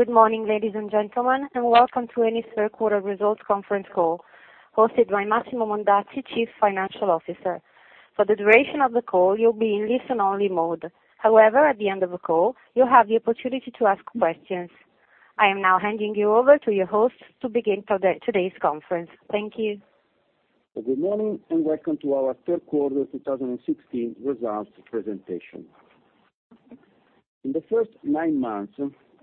Good morning, ladies and gentlemen, and welcome to Eni third quarter results conference call, hosted by Massimo Mondazzi, Chief Financial Officer. For the duration of the call, you'll be in listen only mode. However, at the end of the call, you'll have the opportunity to ask questions. I am now handing you over to your host to begin today's conference. Thank you. Good morning, and welcome to our third quarter 2016 results presentation. In the first nine months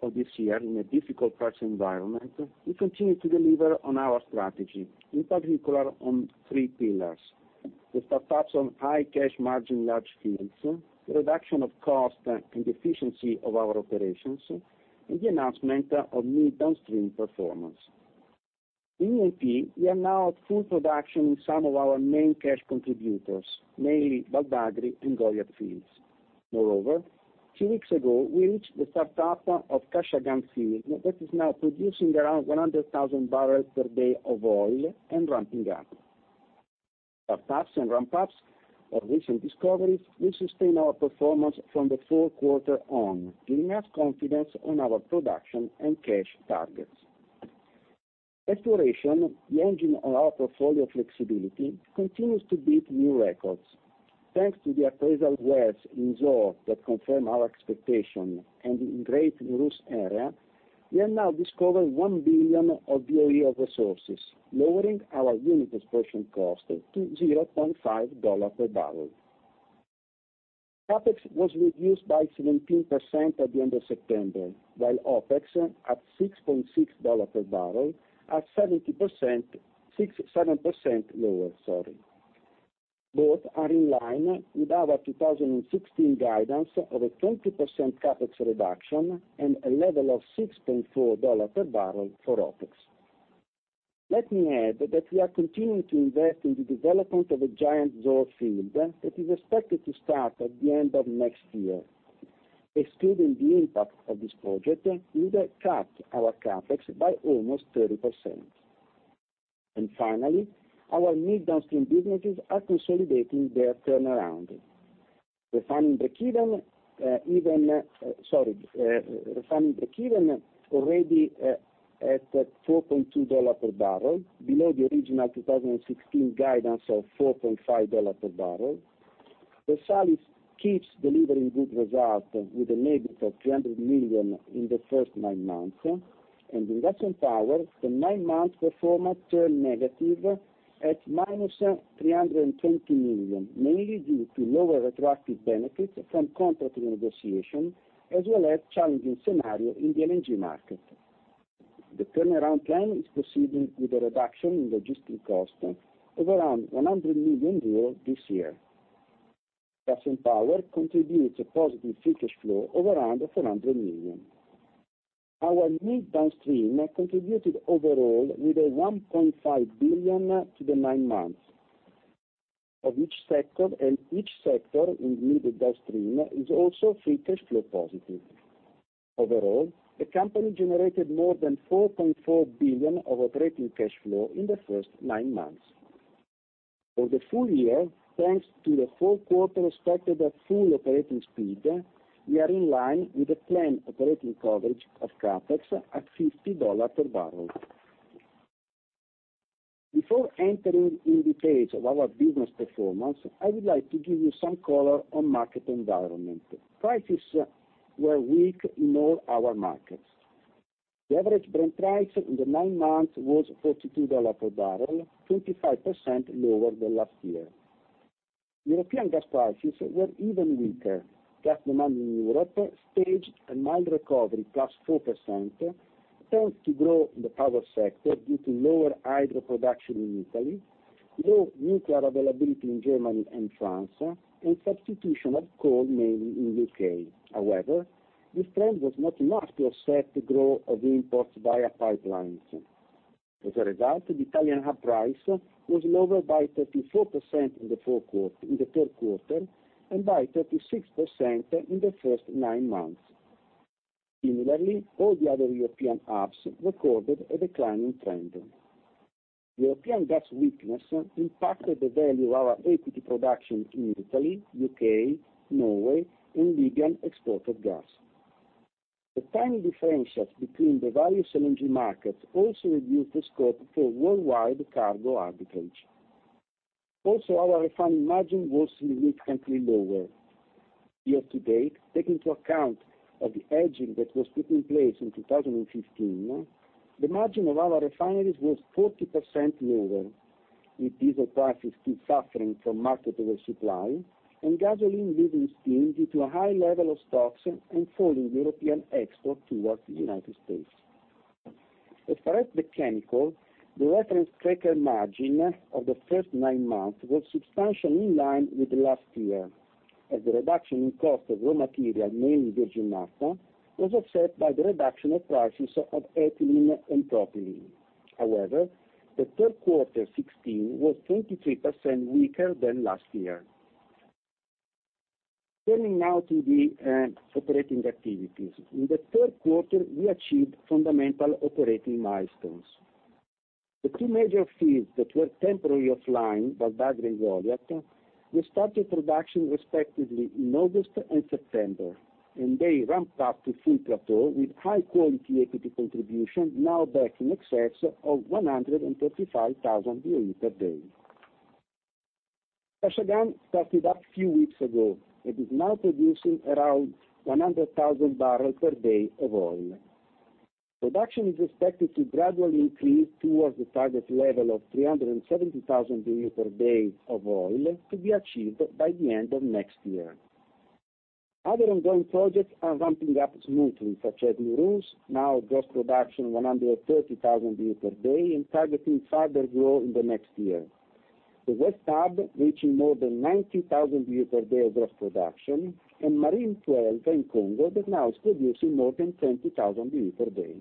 of this year, in a difficult price environment, we continue to deliver on our strategy, in particular on three pillars. The startups on high cash margin large fields, the reduction of cost and efficiency of our operations, and the announcement of mid downstream performance. In Eni, we are now at full production in some of our main cash contributors, namely Val d'Agri and Goliat fields. Moreover, two weeks ago, we reached the startup of Kashagan field, that is now producing around 100,000 barrels per day of oil and ramping up. Startups and ramp-ups of recent discoveries will sustain our performance from the fourth quarter on, giving us confidence on our production and cash targets. Exploration, the engine on our portfolio flexibility, continues to beat new records. Thanks to the appraisal wells in Zohr that confirm our expectation and in Great Nooros area, we have now discovered one billion of BOE resources, lowering our unit exploration cost to EUR 0.5 per barrel. CapEx was reduced by 17% at the end of September, while OpEx at EUR 6.6 per barrel, are 67% lower, sorry. Both are in line with our 2016 guidance of a 20% CapEx reduction and a level of EUR 6.4 per barrel for OpEx. Let me add that we are continuing to invest in the development of a giant Zohr field that is expected to start at the end of next year. Excluding the impact of this project, we will cut our CapEx by almost 30%. Finally, our mid downstream businesses are consolidating their turnaround. Refining breakeven already at $4.2 per barrel, below the original 2016 guidance of EUR 4.5 per barrel. Versalis keeps delivering good results, with an EBITDA of 300 million in the first nine months. In Gas & Power, the nine-month performance turned negative at minus 320 million, mainly due to lower retroactive benefits from contracting negotiation, as well as challenging scenario in the LNG market. The turnaround plan is proceeding with a reduction in logistic cost of around 100 million euros this year. Gas & Power contributes a positive free cash flow of around 400 million. Our mid downstream contributed overall with a 1.5 billion to the nine months. Of each sector and each sector in mid downstream is also free cash flow positive. Overall, the company generated more than 4.4 billion of operating cash flow in the first nine months. For the full year, thanks to the full quarter expected at full operating speed, we are in line with the planned operating coverage of CapEx at $50 per barrel. Before entering in the page of our business performance, I would like to give you some color on market environment. Prices were weak in all our markets. The average Brent price in the nine months was $42 per barrel, 25% lower than last year. European gas prices were even weaker. Gas demand in Europe staged a mild recovery, +4%, tends to grow in the power sector due to lower hydro production in Italy, low nuclear availability in Germany and France, and substitution of coal, mainly in U.K. This trend was not enough to offset the growth of imports via pipelines. The Italian hub price was lower by 34% in the third quarter and by 36% in the first nine months. Similarly, all the other European hubs recorded a declining trend. European gas weakness impacted the value of our equity production in Italy, U.K., Norway, and Libyan exported gas. The time difference between the various LNG markets also reduced the scope for worldwide cargo arbitrage. Our refining margin was significantly lower. Year-to-date, take into account of the hedging that was put in place in 2015, the margin of our refineries was 40% lower, with diesel prices still suffering from market oversupply and gasoline losing steam due to a high level of stocks and falling European export towards the U.S. As far as the chemical, the reference cracker margin of the first nine months was substantially in line with last year, as the reduction in cost of raw material, mainly virgin naphtha, was offset by the reduction of prices of ethylene and propylene. The third quarter 2016 was 23% weaker than last year. Turning now to the operating activities. In the third quarter, we achieved fundamental operating milestones. The two major fields that were temporarily offline, Val d'Agri and Goliat, restarted production respectively in August and September, and they ramped up to full plateau with high-quality equity contribution now back in excess of 135,000 BOE per day. Kashagan started up a few weeks ago. It is now producing around 100,000 barrels per day of oil. Production is expected to gradually increase towards the target level of 370,000 BOE per day of oil, to be achieved by the end of next year. Other ongoing projects are ramping up smoothly, such as Nooros, now gross production 130,000 BOE per day and targeting further growth in the next year. The West Hub, reaching more than 90,000 BOE per day of gross production, and Marine XII in Congo that now is producing more than 20,000 BOE per day.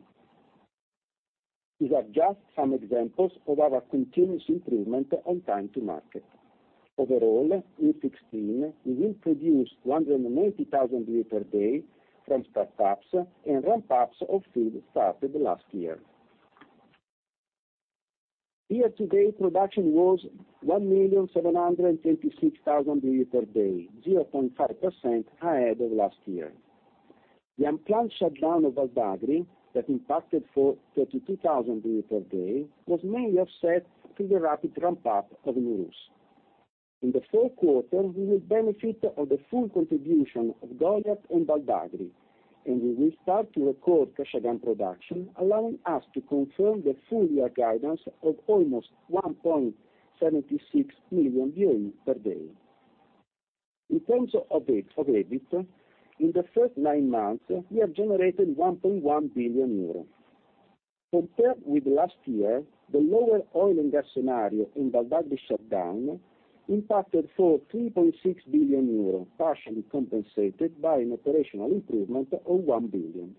These are just some examples of our continuous improvement on time to market. In 2016, we will produce 190,000 BOE per day from startups and ramp-ups of fields started last year. Year-to-date production was 1,736,000 BOE per day, 0.5% higher than last year. The unplanned shutdown of Val d'Agri, that impacted for 32,000 BOE per day, was mainly offset through the rapid ramp-up of Nooros. In the fourth quarter, we will benefit of the full contribution of Goliat and Val d'Agri. We will start to record Kashagan production, allowing us to confirm the full-year guidance of almost 1.76 million BOE per day. In terms of EBIT, in the first nine months, we have generated 1.1 billion euros. Compared with last year, the lower oil and gas scenario and Val d'Agri shutdown impacted for 3.6 billion euro, partially compensated by an operational improvement of 1 billion.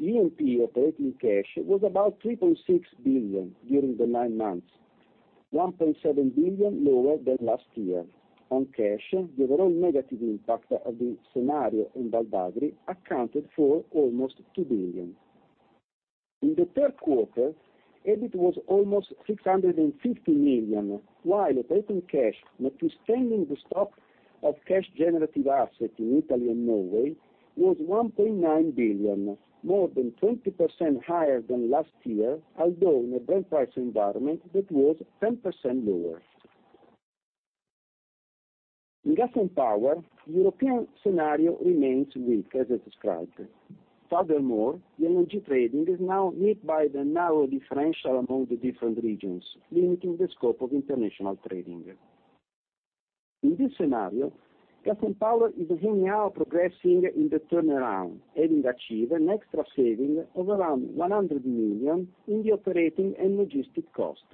E&P operating cash was about 3.6 billion during the nine months, 1.7 billion lower than last year. On cash, the overall negative impact of the scenario in Val d'Agri accounted for almost 2 billion. In the third quarter, EBIT was almost 650 million, while operating cash, notwithstanding the stock of cash generated asset in Italy and Norway, was 1.9 billion, more than 20% higher than last year, although in a Brent price environment that was 10% lower. In Gas & Power, the European scenario remains weak, as described. The LNG trading is now hit by the narrow differential among the different regions, limiting the scope of international trading. In this scenario, Gas & Power is anyhow progressing in the turnaround, having achieved an extra saving of around 100 million in the operating and logistic cost.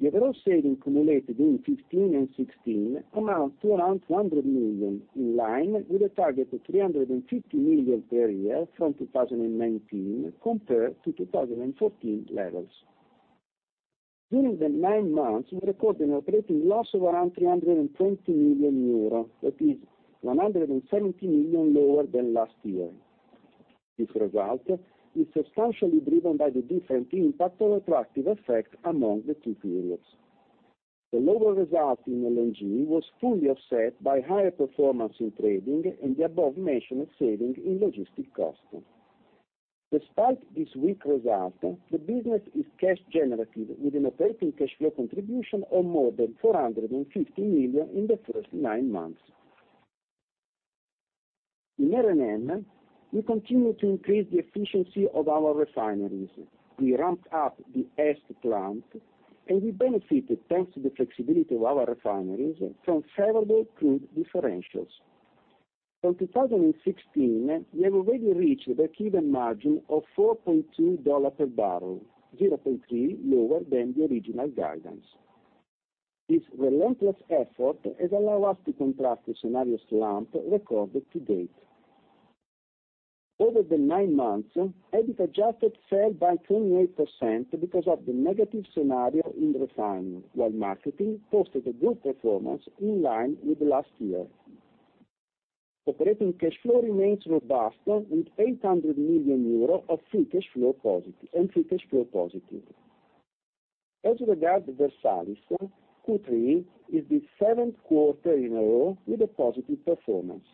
The overall saving accumulated in 2015 and 2016 amount to around 100 million, in line with the target of 350 million per year from 2019 compared to 2014 levels. During the nine months, we recorded an operating loss of around 320 million euro, that is 170 million lower than last year. This result is substantially driven by the different impact of attractive effects among the two periods. The lower result in LNG was fully offset by higher performance in trading and the above-mentioned saving in logistic cost. Despite this weak result, the business is cash generative with an operating cash flow contribution of more than 450 million in the first nine months. In R&M, we continue to increase the efficiency of our refineries. We ramped up the EST plant. We benefited, thanks to the flexibility of our refineries, from favorable crude differentials. From 2016, we have already reached a break-even margin of $4.2 per barrel, $0.3 lower than the original guidance. This relentless effort has allowed us to contrast the scenario slump recorded to date. Over the nine months, EBIT adjusted fell by 28% because of the negative scenario in refining, while marketing posted a good performance in line with last year. Operating cash flow remains robust with 800 million euro of free cash flow positive. As regard Versalis, Q3 is the seventh quarter in a row with a positive performance.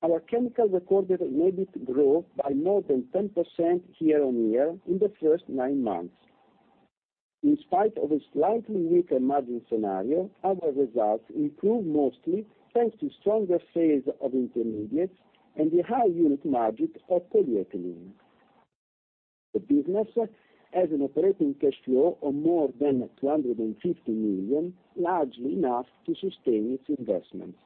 Our chemicals recorded an EBIT growth by more than 10% year-on-year in the first nine months. In spite of a slightly weaker margin scenario, our results improved mostly thanks to stronger sales of intermediates and the high unit margin of polyethylene. The business has an operating cash flow of more than 250 million, largely enough to sustain its investments.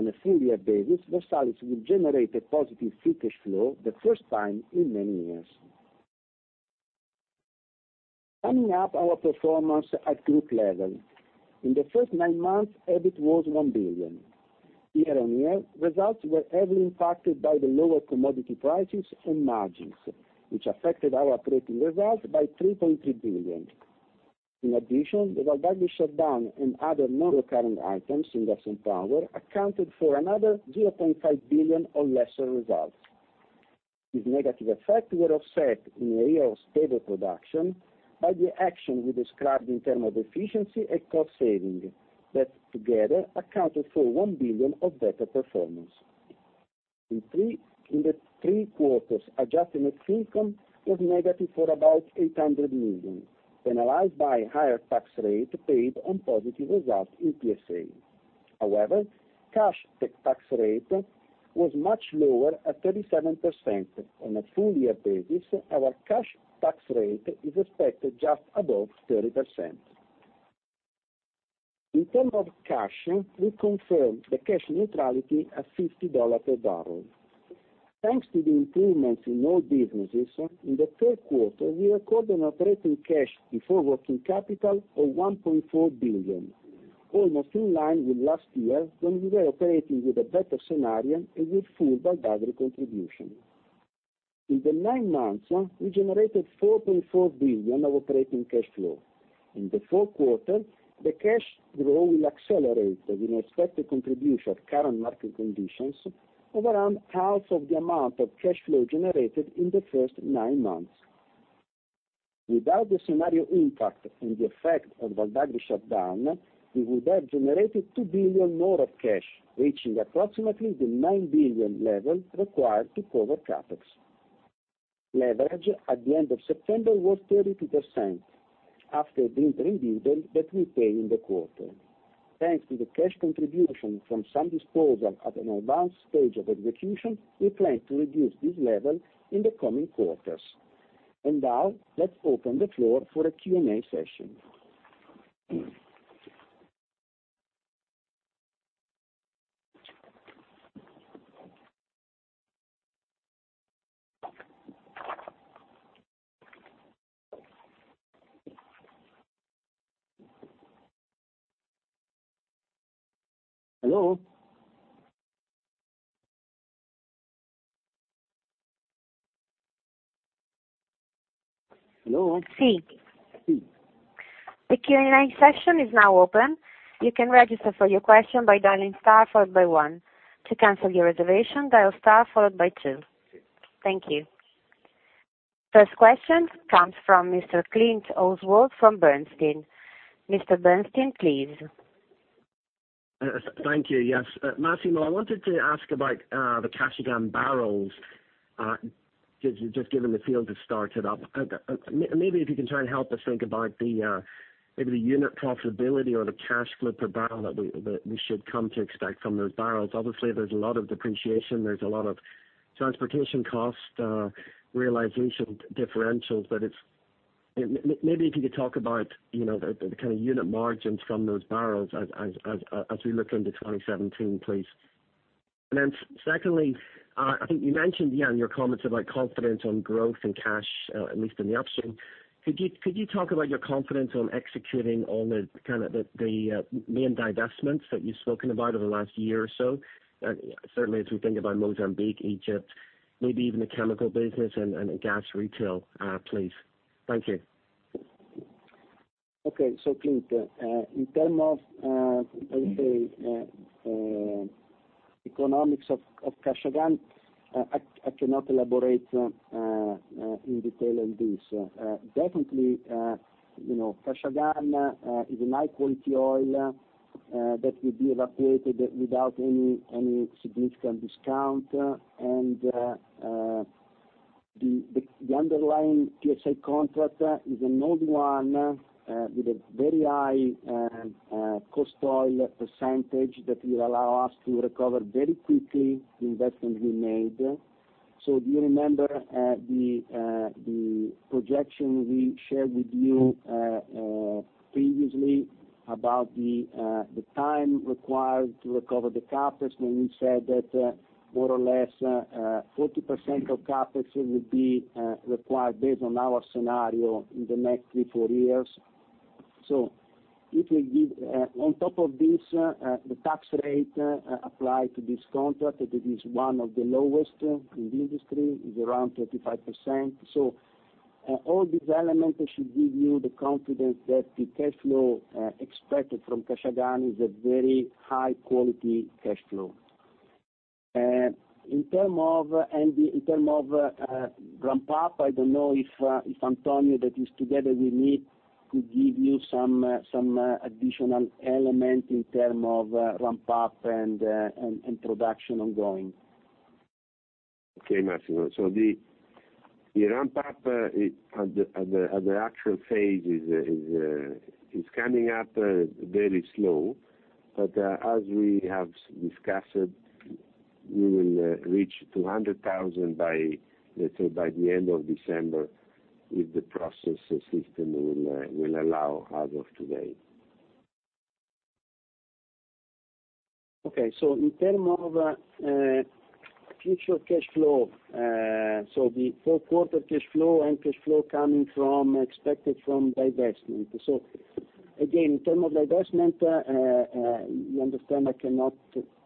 On a full-year basis, Versalis will generate a positive free cash flow the first time in many years. Summing up our performance at group level. In the first nine months, EBIT was 1 billion. Year-on-year, results were heavily impacted by the lower commodity prices and margins, which affected our operating results by 3.3 billion. In addition, the Val d'Agri shutdown and other non-recurrent items in Gas & Power accounted for another 0.5 billion of lesser results. These negative effects were offset in an area of stable production by the action we described in terms of efficiency and cost saving. That together accounted for 1 billion of better performance. In the three quarters, adjusted net income was negative for about 800 million, penalized by higher tax rate paid on positive results in PSA. However, cash tax rate was much lower at 37%. On a full year basis, our cash tax rate is expected just above 30%. In terms of cash, we confirm the cash neutrality at $50 per barrel. Thanks to the improvements in all businesses, in the third quarter, we recorded an operating cash before working capital of 1.4 billion, almost in line with last year when we were operating with a better scenario and with full Val d'Agri contribution. In the nine months, we generated 4.4 billion of operating cash flow. In the fourth quarter, the cash growth will accelerate with an expected contribution of current market conditions of around half of the amount of cash flow generated in the first nine months. Without the scenario impact and the effect of Val d'Agri shutdown, we would have generated 2 billion more of cash, reaching approximately the 9 billion level required to cover CapEx. Leverage at the end of September was 32%, after the interim dividend that we paid in the quarter. Thanks to the cash contribution from some disposal at an advanced stage of execution, we plan to reduce this level in the coming quarters. And now, let's open the floor for a Q&A session. Hello? Hello? Si. Si. The Q&A session is now open. You can register for your question by dialing star followed by one. To cancel your reservation, dial star followed by two. Si. Thank you. First question comes from Mr. Oswald Clint from Bernstein. Mr. Clint, please. Thank you. Yes. Massimo, I wanted to ask about the Kashagan barrels, just given the field has started up. Maybe if you can try and help us think about maybe the unit profitability or the cash flow per barrel that we should come to expect from those barrels. Obviously, there's a lot of depreciation, there's a lot of transportation cost, realization differentials, but maybe if you could talk about the kind of unit margins from those barrels as we look into 2017, please. Secondly, I think you mentioned in your comments about confidence on growth and cash, at least in the upstream. Could you talk about your confidence on executing all the main divestments that you've spoken about over the last year or so? Certainly as we think about Mozambique, Egypt, maybe even the chemical business and gas retail, please. Thank you. Clint, in terms of economics of Kashagan, I cannot elaborate in detail on this. Definitely, Kashagan is a high-quality oil that will be valorized without any significant discount. The underlying PSA contract is an old one with a very high cost oil percentage that will allow us to recover very quickly the investment we made. If you remember the projection we shared with you previously about the time required to recover the CapEx, when we said that more or less 40% of CapEx will be required based on our scenario in the next three, four years. It will give, on top of this, the tax rate applied to this contract, it is one of the lowest in the industry. It's around 35%. All these elements should give you the confidence that the cash flow expected from Kashagan is a very high-quality cash flow. In terms of ramp up, I don't know if Antonio, that is together with me, could give you some additional element in terms of ramp up and production ongoing. Massimo. The ramp up at the actual phase is coming up very slow. As we have discussed, we will reach 200,000, let's say by the end of December, if the process system will allow as of today. In terms of future cash flow, the fourth quarter cash flow and cash flow coming from expected from divestment. Again, in terms of divestment, you understand I cannot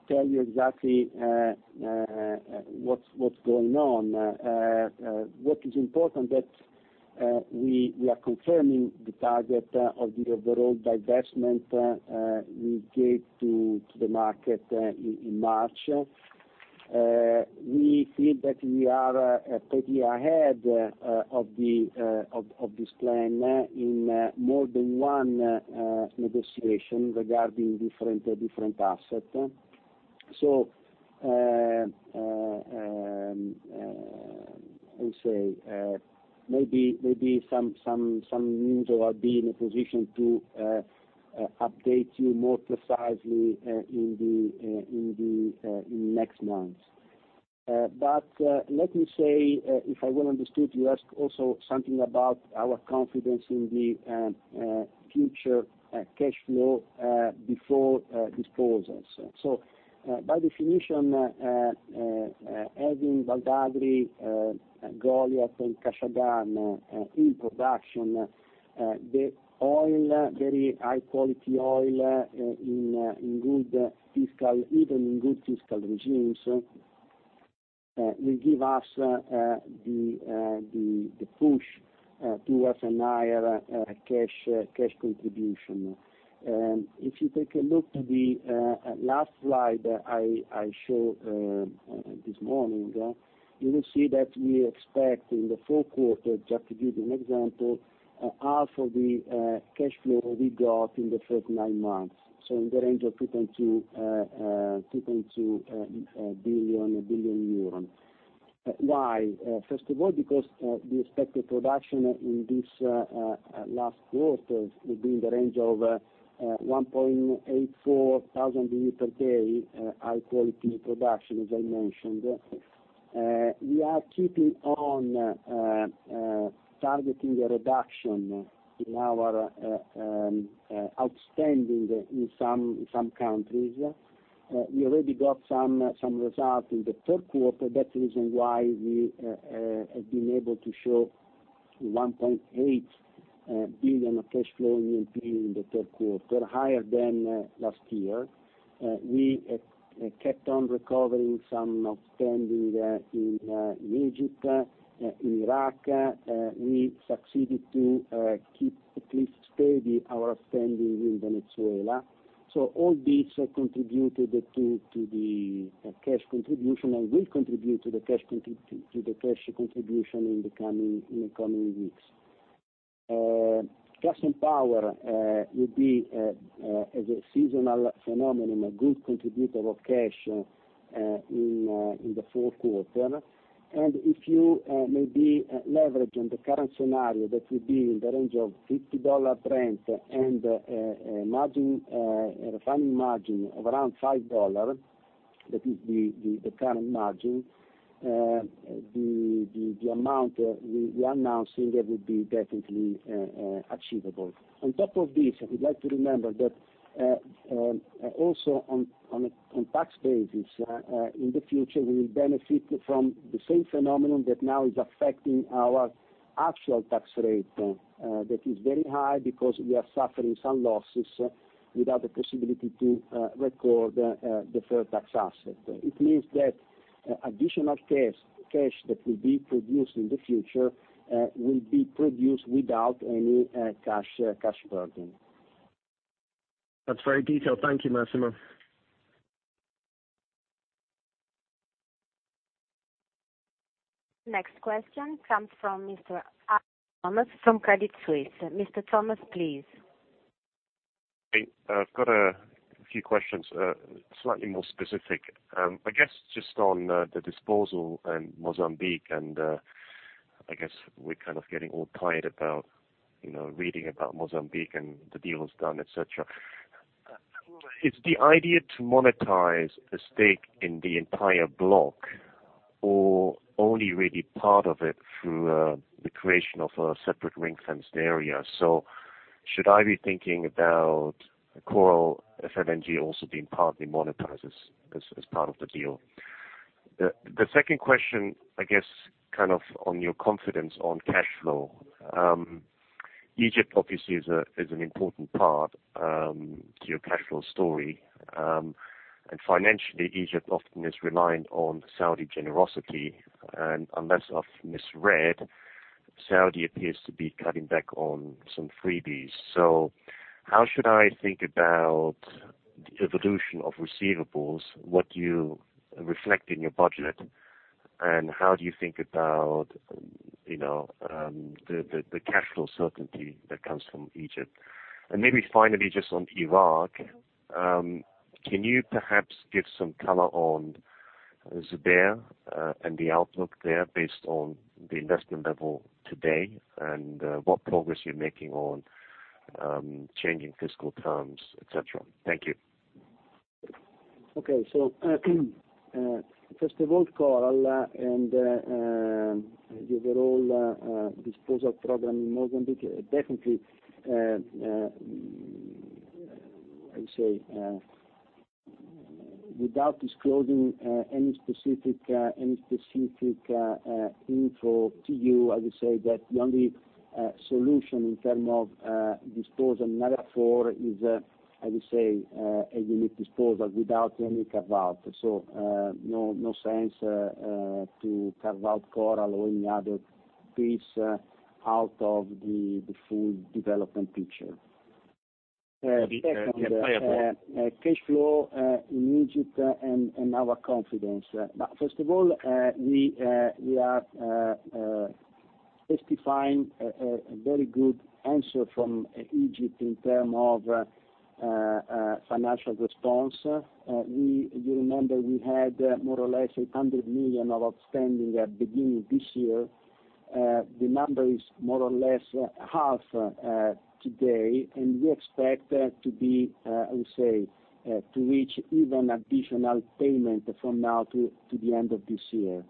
tell you exactly what's going on. What is important that we are confirming the target of the overall divestment we gave to the market in March. We feel that we are pretty ahead of this plan in more than one negotiation regarding different assets. How do you say? Maybe some news about being in a position to update you more precisely in the next months. Let me say, if I well understood, you asked also something about our confidence in the future cash flow before disposals. By definition, having Val d'Agri, Goliat, and Kashagan in production, the very high-quality oil, even in good fiscal regimes, will give us the push towards a higher cash contribution. If you take a look at the last slide I showed this morning, you will see that we expect in the fourth quarter, just to give you an example, half of the cash flow we got in the first nine months, in the range of 3.2 billion euros. Why? First of all, because the expected production in this last quarter will be in the range of 1.84 thousand barrels per day, high-quality production, as I mentioned. We are keeping on targeting a reduction in our outstanding in some countries. We already got some results in the third quarter. That's the reason why we have been able to show 1.8 billion of cash flow in E&P in the third quarter, higher than last year. We kept on recovering some outstanding in Egypt, in Iraq. We succeeded to keep at least steady our outstanding in Venezuela. All this contributed to the cash contribution and will contribute to the cash contribution in the coming weeks. Gas & Power will be, as a seasonal phenomenon, a good contributor of cash in the fourth quarter. If you maybe leverage on the current scenario, that will be in the range of $50 Brent and a refining margin of around $5, that is the current margin, the amount we are announcing there will be definitely achievable. On top of this, I would like to remember that also on tax basis, in the future, we will benefit from the same phenomenon that now is affecting our actual tax rate. That is very high because we are suffering some losses without the possibility to record deferred tax asset. It means that additional cash that will be produced in the future will be produced without any cash burden. That's very detailed. Thank you, Massimo. Next question comes from Mr. Alan Thomas from Credit Suisse. Mr. Thomas, please. I've got a few questions, slightly more specific. I guess, just on the disposal in Mozambique, and I guess we're kind of getting all tired about reading about Mozambique and the deal is done, et cetera. Is the idea to monetize a stake in the entire block or only really part of it through the creation of a separate ring-fenced area? Should I be thinking about Coral FLNG also being partly monetized as part of the deal? The second question, I guess, kind of on your confidence on cash flow. Egypt obviously is an important part to your cash flow story. Financially, Egypt often is reliant on Saudi generosity. Unless I've misread, Saudi appears to be cutting back on some freebies. How should I think about the evolution of receivables? What do you reflect in your budget, and how do you think about the cash flow certainty that comes from Egypt? Maybe finally, just on Iraq, can you perhaps give some color on Zubair, and the outlook there based on the investment level today, and what progress you're making on changing fiscal terms, et cetera? Thank you. Okay. First of all, Coral and the overall disposal program in Mozambique, definitely, how do you say? Without disclosing any specific info to you, I would say that the only solution in terms of disposal in Area 4 is, I would say, a unit disposal without any carve-out. No sense to carve out Coral or any other piece out of the full development picture. Okay. Second, cash flow in Egypt and our confidence. First of all, we are testifying a very good answer from Egypt in terms of financial response. You remember we had more or less 800 million of outstanding at the beginning of this year. The number is more or less half today, and we expect to be, I would say, to reach even additional payment from now to the end of this year.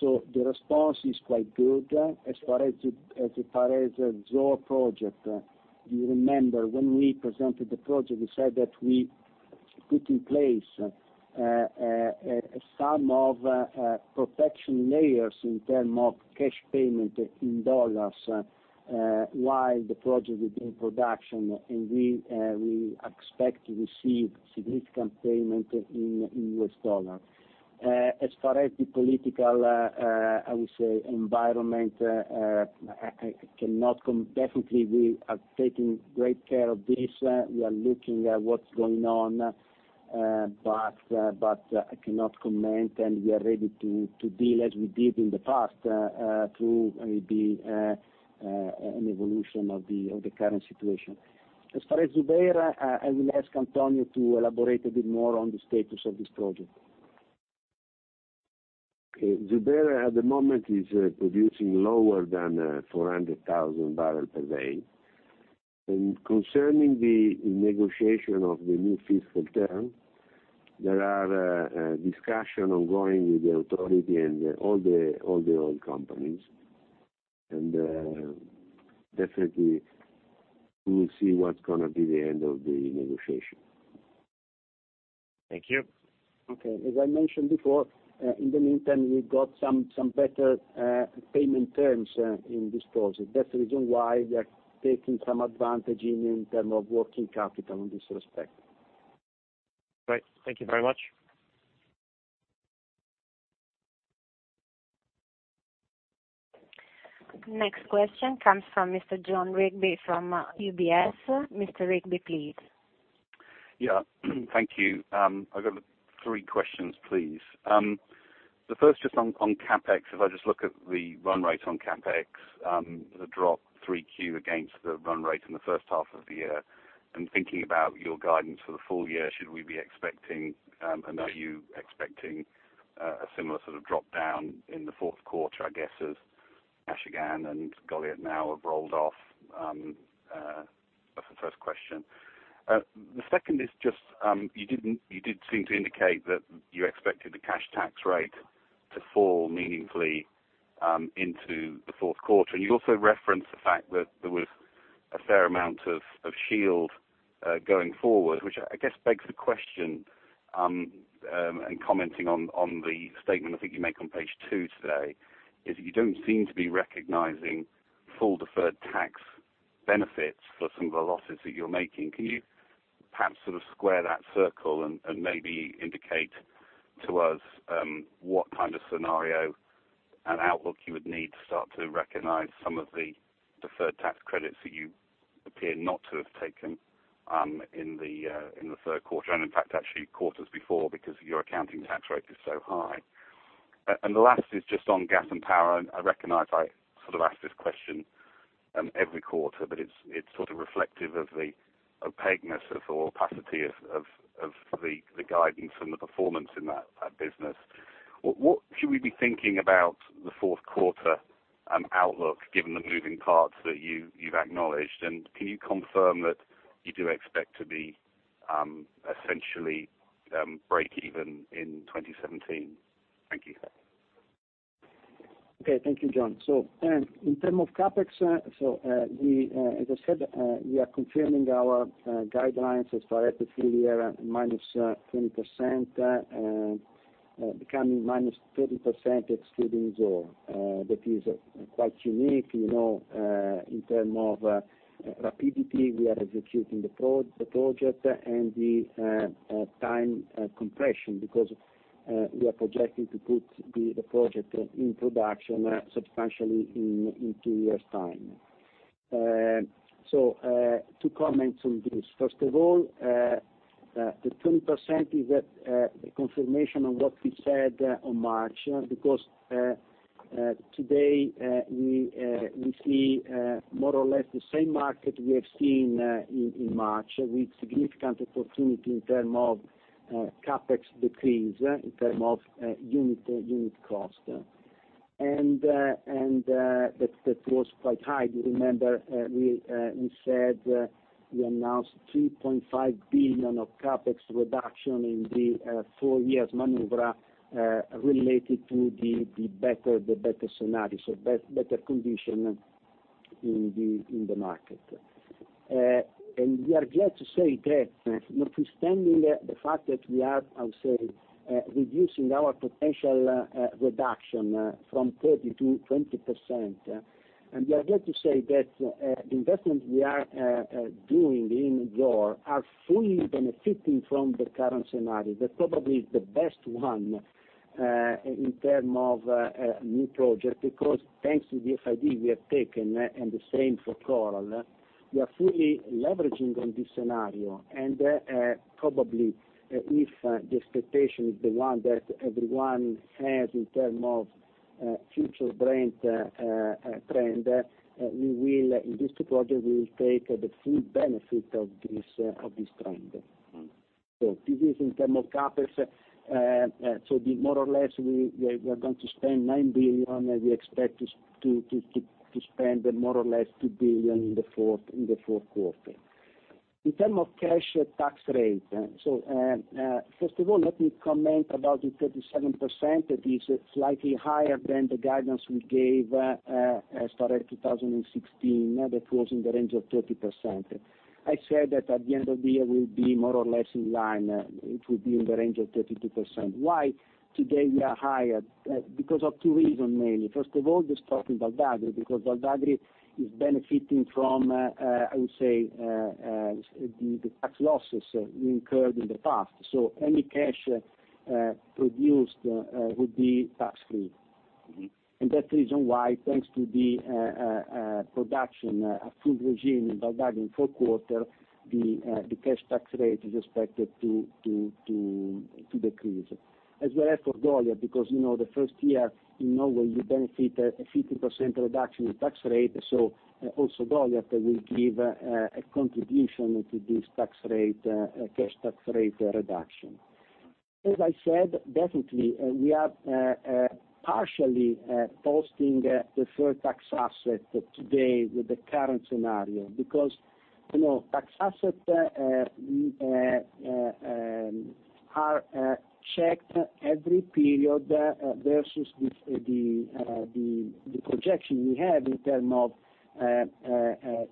The response is quite good. As far as the Zohr project, you remember when we presented the project, we said that we put in place some protection layers in terms of cash payment in EUR while the project was in production. We expect to receive significant payment in US dollars. As far as the political, I would say, environment, definitely we are taking great care of this. We are looking at what's going on, but I cannot comment, and we are ready to deal as we did in the past through the evolution of the current situation. As far as Zubair, I will ask Antonio to elaborate a bit more on the status of this project. Zubair at the moment is producing lower than 400,000 barrels per day. Concerning the negotiation of the new fiscal term, there are discussions ongoing with the authority and all the oil companies. Definitely, we will see what's going to be the end of the negotiation. Thank you. Okay, as I mentioned before, in the meantime, we got some better payment terms in this project. That's the reason why we are taking some advantage in terms of working capital in this respect. Great. Thank you very much. Next question comes from Mr. Jon Rigby from UBS. Mr. Rigby, please. Yeah. Thank you. I've got three questions, please. The first is on CapEx. If I just look at the run rate on CapEx, the drop 3Q against the run rate in the first half of the year, thinking about your guidance for the full year, should we be expecting, and are you expecting, a similar sort of drop-down in the fourth quarter, I guess, as Kashagan and Goliat now have rolled off? That's the first question. The second is just, you did seem to indicate that you expected the cash tax rate to fall meaningfully into the fourth quarter. You also referenced the fact that there was a fair amount of shield going forward, which I guess begs the question, commenting on the statement I think you make on page two today, is that you don't seem to be recognizing full deferred tax benefits for some of the losses that you're making. Can you perhaps sort of square that circle and maybe indicate to us what kind of scenario and outlook you would need to start to recognize some of the deferred tax credits that you appear not to have taken in the third quarter, and in fact, actually quarters before, because your accounting tax rate is so high. The last is just on Gas & Power, and I recognize I sort of ask this question every quarter, but it's sort of reflective of the opaqueness or opacity of the guidance and the performance in that business. What should we be thinking about the fourth quarter outlook, given the moving parts that you've acknowledged, and can you confirm that you do expect to be essentially breakeven in 2017? Thank you. Okay. Thank you, Jon. In terms of CapEx, as I said, we are confirming our guidelines as far as the full year, -20%, becoming -30% excluding Zohr. That is quite unique in terms of rapidity we are executing the project, and the time compression, because we are projecting to put the project in production substantially in two years' time. To comment on this, first of all, the 20% is the confirmation of what we said in March, because today we see more or less the same market we have seen in March, with significant opportunity in terms of CapEx decrease, in terms of unit cost. That was quite high. You remember, we announced 3.5 billion of CapEx reduction in the four years maneuver related to the better scenario. Better condition in the market. We are glad to say that notwithstanding the fact that we are, I would say, reducing our potential reduction from 30% to 20%. We are glad to say that the investments we are doing in Zohr are fully benefiting from the current scenario. That probably is the best one in terms of new project, because thanks to the FID we have taken, and the same for Coral, we are fully leveraging on this scenario. Probably, if the expectation is the one that everyone has in terms of future Brent trend, in this project, we will take the full benefit of this trend. This is in terms of CapEx. More or less, we are going to spend 9 billion, and we expect to spend more or less 2 billion in the fourth quarter. In terms of cash tax rate, first of all, let me comment about the 37%, that is slightly higher than the guidance we gave as target 2016, that was in the range of 30%. I said that at the end of the year, we will be more or less in line. It will be in the range of 32%. Why today we are higher? Because of two reasons mainly. First of all, the stock in Val d'Agri, because Val d'Agri is benefiting from, I would say, the tax losses we incurred in the past. Any cash produced would be tax-free. That's the reason why, thanks to the production, a full regime in Val d'Agri in fourth quarter, the cash tax rate is expected to decrease. As well as for Goliat, because the first year, you know well, you benefit a 50% reduction in tax rate. Also Goliat will give a contribution to this cash tax rate reduction. As I said, definitely, we are partially posting deferred tax asset today with the current scenario. Because tax assets are checked every period versus the projection we have in terms of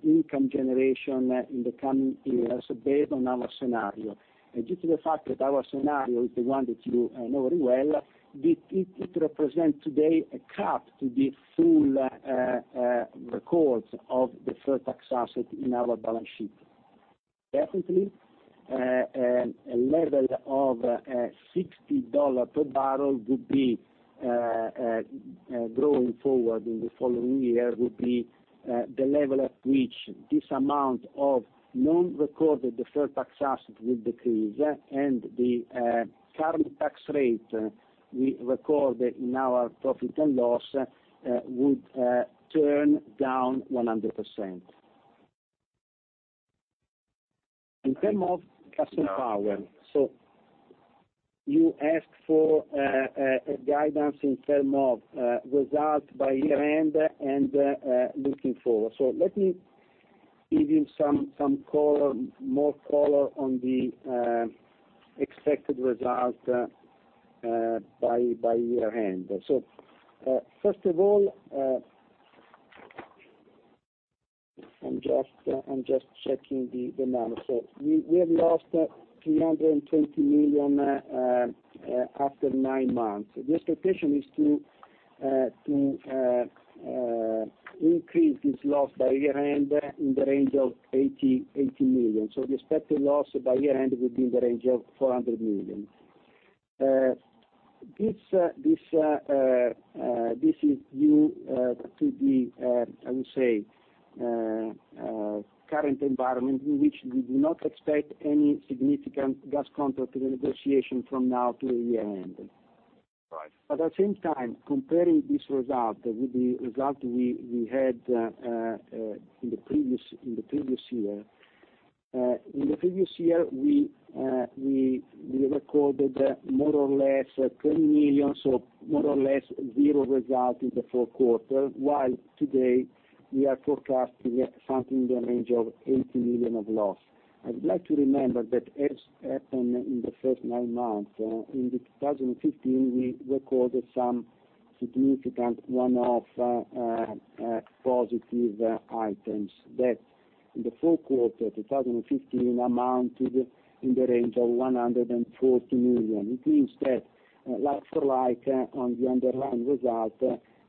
income generation in the coming years based on our scenario. Due to the fact that our scenario is the one that you know very well, it represent today a cap to the full records of deferred tax asset in our balance sheet. Definitely, a level of EUR 60 per barrel going forward in the following year, would be the level at which this amount of non-recorded deferred tax asset will decrease, and the current tax rate we record in our profit and loss would turn down 100%. In terms of Gas & Power. You ask for a guidance in terms of result by year-end and looking forward. Let me give you more color on the expected result by year-end. First of all, I'm just checking the numbers. We have lost 320 million after nine months. The expectation is to increase this loss by year-end in the range of 80 million. The expected loss by year-end will be in the range of 400 million. This is due to the, I would say, current environment in which we do not expect any significant gas contract renegotiation from now to the year-end. Right. At the same time, comparing this result with the result we had in the previous year. In the previous year, we recorded more or less 20 million, so more or less zero result in the fourth quarter, while today we are forecasting something in the range of 80 million of loss. I would like to remember that as happened in the first nine months, in the 2015, we recorded some significant one-off positive items that in the fourth quarter 2015 amounted in the range of 140 million. It means that like for like on the underlying result,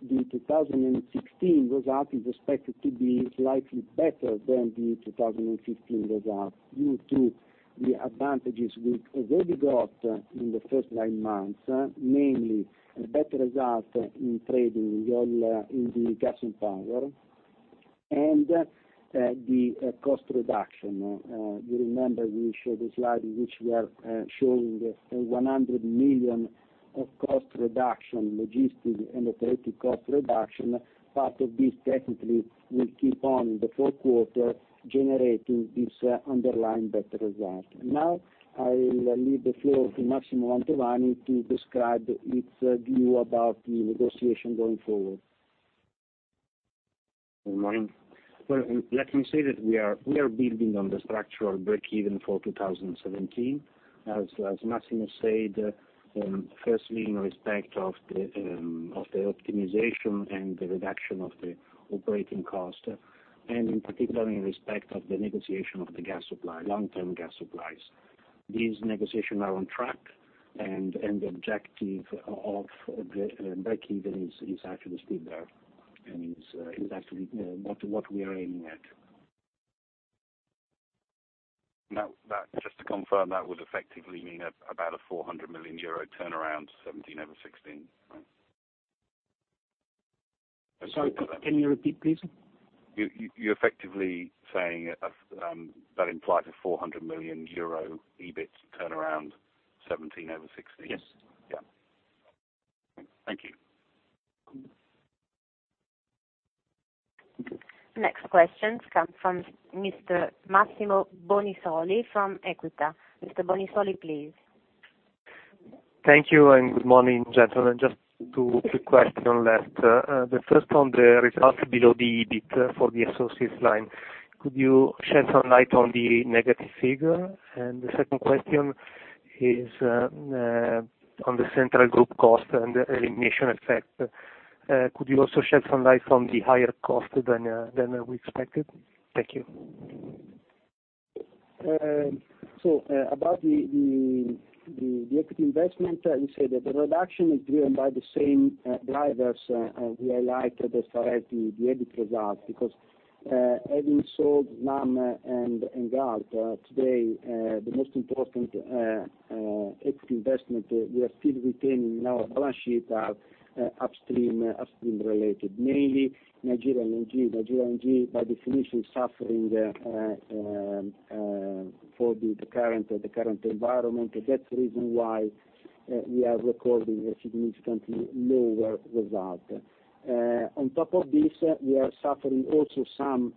the 2016 result is expected to be slightly better than the 2015 result due to the advantages we already got in the first nine months, mainly a better result in trading in the Gas & Power, and the cost reduction. Do you remember we showed a slide in which we are showing 100 million of cost reduction, logistic and operating cost reduction? Part of this definitely will keep on the fourth quarter, generating this underlying better result. I will leave the floor to Massimo Mantovani to describe his view about the negotiation going forward. Good morning. Well, let me say that we are building on the structural breakeven for 2017, as Massimo said, firstly in respect of the optimization and the reduction of the operating cost, and in particular in respect of the negotiation of the long-term gas supplies. These negotiations are on track, and the objective of the breakeven is actually still there, and is actually what we are aiming at. Just to confirm, that would effectively mean about a €400 million turnaround, 2017 over 2016, right? I'm sorry, can you repeat, please? You're effectively saying that implies a 400 million euro EBIT turnaround 2017 over 2016? Yes. Yeah. Thank you. Next questions come from Mr. Massimo Bonisoli from Equita. Mr. Bonisoli, please. Thank you, good morning, gentlemen. Just two quick questions left. The first on the results below the EBIT for the associates line. Could you shed some light on the negative figure? The second question is on the central group cost and the elimination effect. Could you also shed some light on the higher cost than we expected? Thank you. About the equity investment, I would say that the reduction is driven by the same drivers we highlighted as far as the EBIT result, because having sold NAM and Galp, today the most important equity investment we are still retaining in our balance sheet are upstream related, mainly Nigeria LNG. Nigeria LNG, by definition, suffering for the current environment. That's the reason why we are recording a significantly lower result. On top of this, we are suffering also some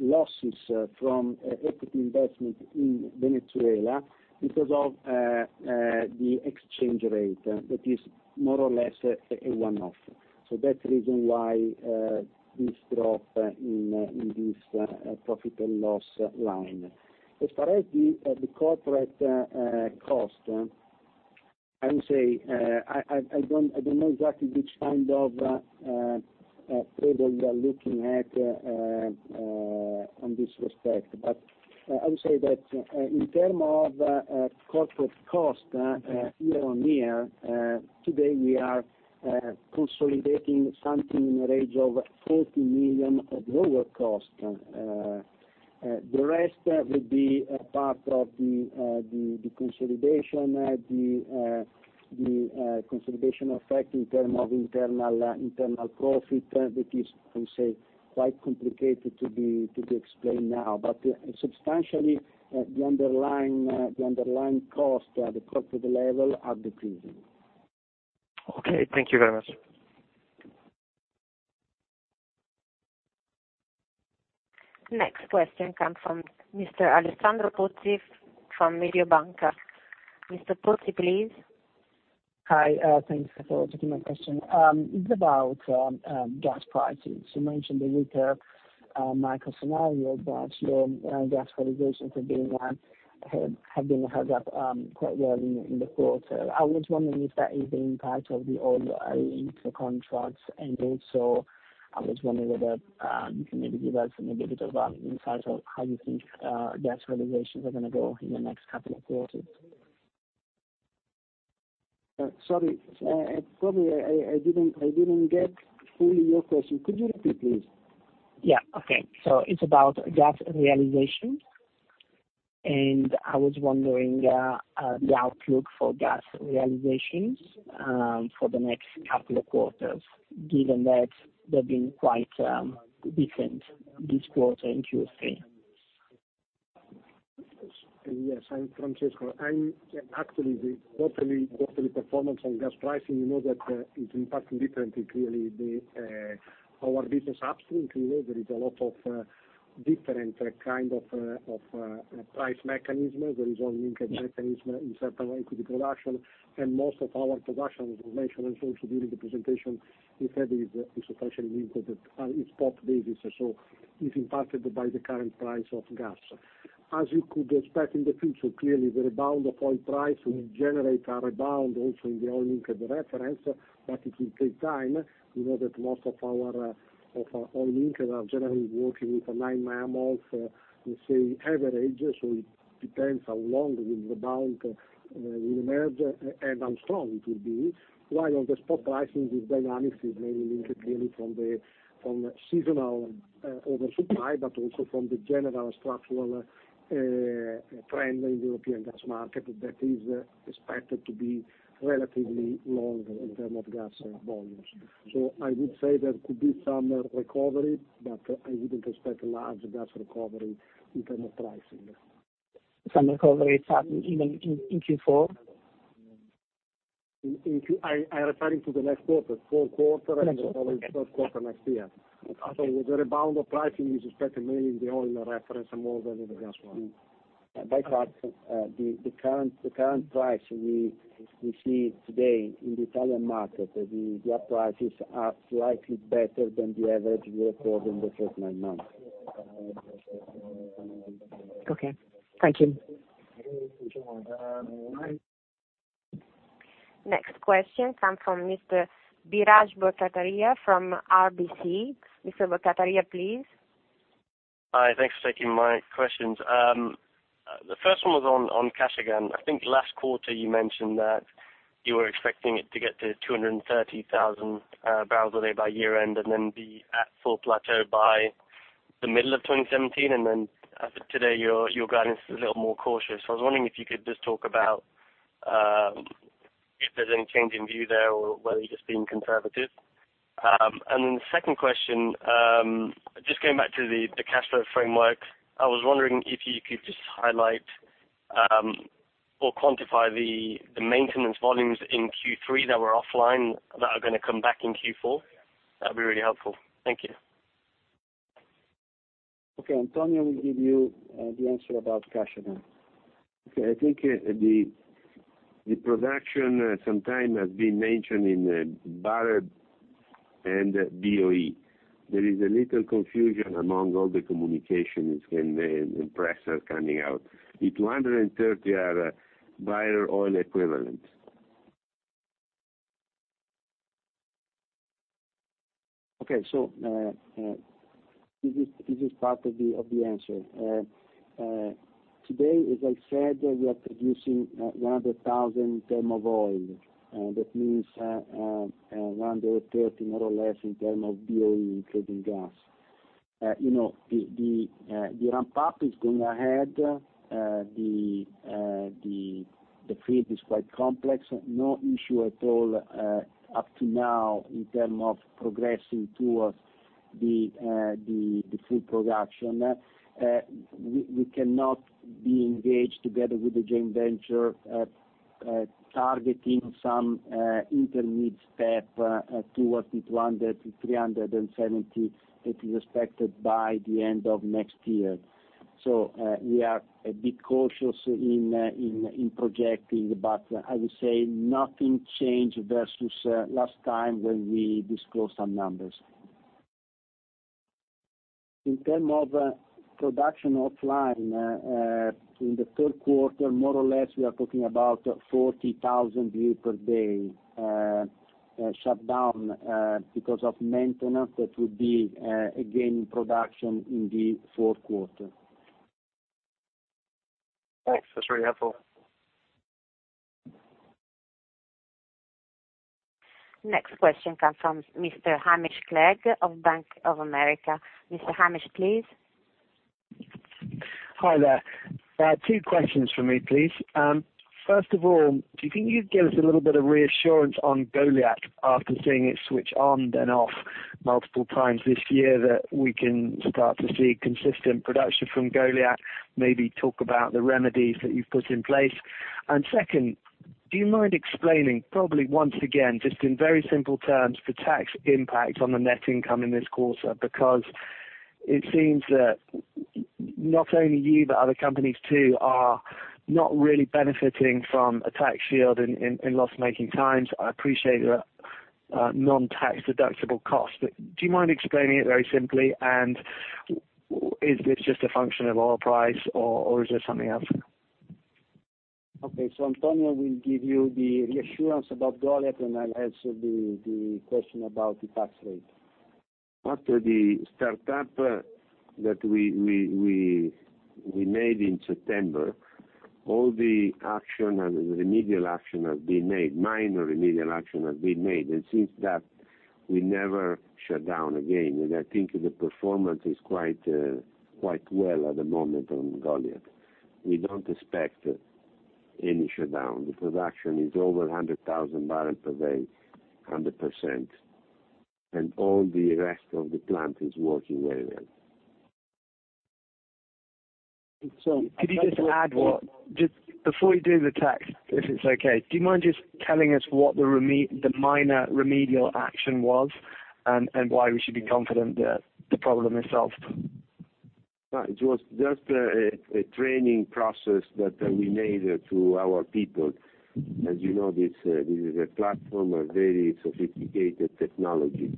losses from equity investment in Venezuela because of the exchange rate. That is more or less a one-off. That's the reason why this drop in this profit and loss line. As far as the corporate cost, I don't know exactly which table you are looking at in this respect. I would say that in term of corporate cost year-on-year, today we are consolidating something in the range of 40 million lower cost. The rest would be a part of the consolidation effect in term of internal profit. That is, I would say, quite complicated to be explained now. Substantially, the underlying cost at the corporate level are decreasing. Okay, thank you very much. Next question come from Mr. Alessandro Pozzi from Mediobanca. Mr. Pozzi, please. Hi. Thanks for taking my question. It's about gas prices. You mentioned the weaker macro scenario that your gas realizations have been held up quite well in the quarter. I was wondering if that is the impact of the oil-linked contracts ended. I was wondering whether you can maybe give us a little bit of insight on how you think gas realizations are going to go in the next couple of quarters. Sorry. Probably I didn't get fully your question. Could you repeat, please? Yeah. Okay. It's about gas realization, and I was wondering the outlook for gas realizations for the next couple of quarters, given that they've been quite different this quarter in Q3. Yes. I'm Francesco. Actually, the quarterly performance on gas pricing, you know that it's impacting differently clearly our business upstream. There is a lot of different kind of price mechanism. There is oil linkage mechanism in certain equity production, and most of our production, as mentioned also during the presentation, we said is essentially linked with the spot basis. It's impacted by the current price of gas. As you could expect in the future, clearly the rebound of oil price will generate a rebound also in the oil-linked reference, but it will take time. You know that most of our oil-linked are generally working with a nine-and-a-half months, let's say, average. It depends how long the rebound will emerge and how strong it will be, while on the spot pricing, the dynamics is mainly linked clearly from the seasonal oversupply, also from the general structural trend in European gas market that is expected to be relatively long in term of gas volumes. I would say there could be some recovery, but I wouldn't expect a large gas recovery in term of pricing. Some recovery even in Q4? I am referring to the next quarter, fourth quarter and probably first quarter next year. The rebound of pricing is expected mainly in the oil reference more than in the gas one. By quarter, the current price we see today in the Italian market, the gas prices are slightly better than the average we recorded in the first nine months. Okay. Thank you. Next question comes from Mr. Biraj Borkhataria from RBC. Mr. Borkhataria, please. Hi. Thanks for taking my questions. The first one was on Kashagan. I think last quarter you mentioned that you were expecting it to get to 230,000 barrels a day by year-end and then be at full plateau by the middle of 2017, and then as of today, your guidance is a little more cautious. I was wondering if you could just talk about if there's any change in view there or whether you're just being conservative. The second question, just going back to the cash flow framework, I was wondering if you could just highlight or quantify the maintenance volumes in Q3 that were offline that are going to come back in Q4. That'd be really helpful. Thank you. Okay. Antonio will give you the answer about Kashagan. Okay. I think the production sometime has been mentioned in barrel and BOE. There is a little confusion among all the communications and the press are coming out. The 230 are barrel oil equivalent. Okay. This is part of the answer. Today, as I said, we are producing 100,000 ton of oil. That means 130, more or less, in term of BOE including gas. The ramp-up is going ahead. The field is quite complex. No issue at all up to now in term of progressing towards the full production. We cannot be engaged together with the joint venture at targeting some intermediate step towards the 200 to 370 that is expected by the end of next year. We are a bit cautious in projecting, but I would say nothing changed versus last time when we disclosed some numbers. In term of production offline, in the third quarter, more or less, we are talking about 40,000 barrel per day shut down because of maintenance, that would be again production in the fourth quarter. Thanks. That's very helpful. Next question comes from Mr. Hamish Clegg of Bank of America. Mr. Hamish, please. Hi there. Two questions from me, please. First of all, do you think you'd give us a little bit of reassurance on Goliat after seeing it switch on then off multiple times this year, that we can start to see consistent production from Goliat? Maybe talk about the remedies that you've put in place. Second, do you mind explaining, probably once again, just in very simple terms, the tax impact on the net income in this quarter? It seems that not only you, but other companies too are not really benefiting from a tax shield in loss-making times. I appreciate the non-tax deductible cost. Do you mind explaining it very simply? Is this just a function of oil price or is there something else? Okay. Antonio will give you the reassurance about Goliat, and I'll answer the question about the tax rate. After the startup that we made in September, all the remedial action has been made, minor remedial action has been made. Since that, we never shut down again. I think the performance is quite well at the moment on Goliat. We don't expect any shutdown. The production is over 100,000 barrels per day, 100%. All the rest of the plant is working very well. Could you just add one? Just before you do the tax, if it's okay, do you mind just telling us what the minor remedial action was and why we should be confident that the problem is solved? No, it was just a training process that we made to our people. As you know, this is a platform of very sophisticated technology,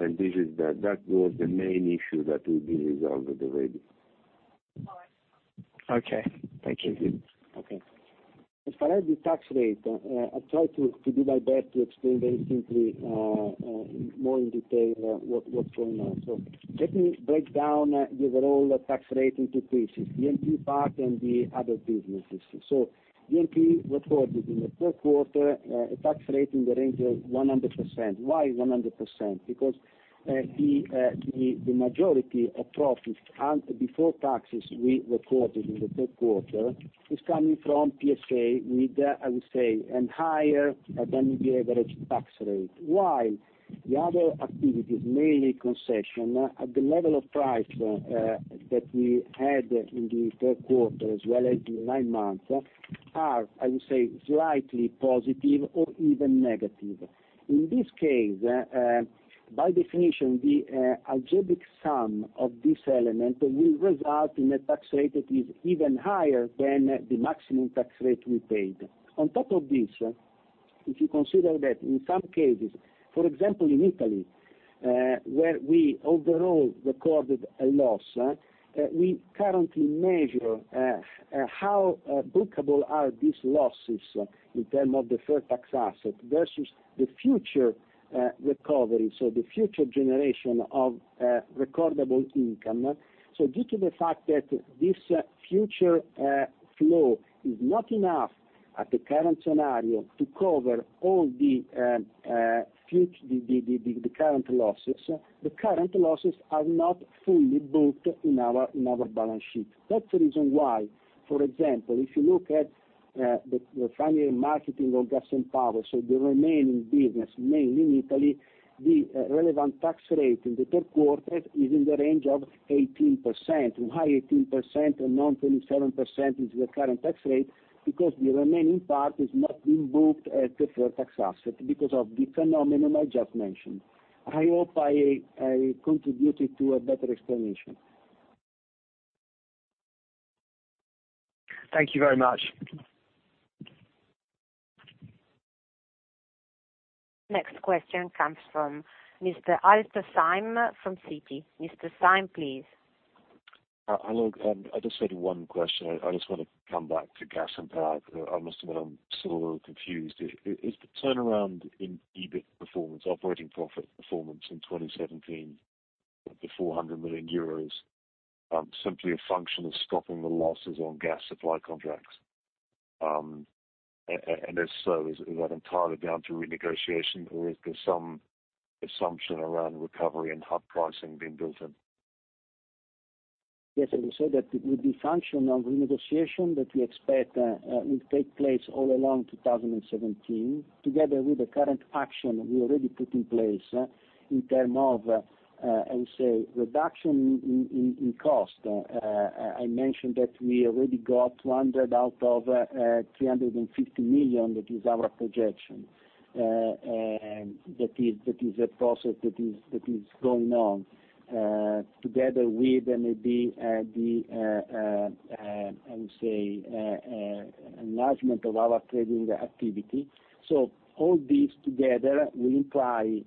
and that was the main issue that will be resolved already. Okay. Thank you. Okay. As far as the tax rate, I try to do my best to explain very simply more in detail what's going on. Let me break down the overall tax rate into pieces, the Eni part and the other businesses. Eni recorded in the third quarter a tax rate in the range of 100%. Why 100%? Because the majority of profits before taxes we recorded in the third quarter is coming from PSA with, I would say, an higher than the average tax rate. While the other activities, mainly concession, at the level of price that we had in the third quarter, as well as the nine months, are, I would say, slightly positive or even negative. In this case, by definition, the algebraic sum of this element will result in a tax rate that is even higher than the maximum tax rate we paid. On top of this, if you consider that in some cases, for example, in Italy, where we overall recorded a loss, we currently measure how bookable are these losses in term of deferred tax asset versus the future recovery, the future generation of recordable income. Due to the fact that this future flow is not enough at the current scenario to cover all the current losses, the current losses are not fully booked in our balance sheet. That's the reason why, for example, if you look at the refining and marketing of Gas & Power, the remaining business, mainly in Italy, the relevant tax rate in the third quarter is in the range of 18%. Why 18% and not 27% is the current tax rate? Because the remaining part is not being booked as deferred tax asset because of the phenomenon I just mentioned. I hope I contributed to a better explanation. Thank you very much. Next question comes from Mr. Alastair Syme from Citi. Mr. Syme, please. Hello, I just had one question. I just want to come back to Gas & Power. I must admit, I'm still a little confused. Is the turnaround in EBIT performance, operating profit performance in 2017, the 400 million euros, simply a function of stopping the losses on gas supply contracts? If so, is that entirely down to renegotiation, or is there some assumption around recovery and hub pricing being built in? Yes, as we said, that it will be function of renegotiation that we expect will take place all along 2017, together with the current action we already put in place in term of, I would say, reduction in cost. I mentioned that we already got 200 million out of 350 million, that is our projection. That is a process that is going on, together with maybe the, I would say, enlargement of our trading activity. All this together will imply,